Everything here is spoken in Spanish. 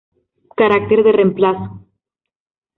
Carácter de reemplazo.